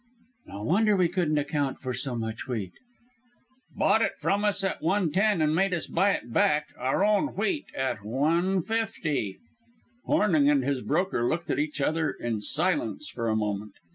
"No wonder we couldn't account for so much wheat." "Bought it from us at one ten, and made us buy it back our own wheat at one fifty." Hornung and his broker looked at each other in silence for a moment.